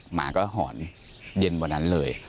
หมาก็หอนเย็นกว่านั้นเลย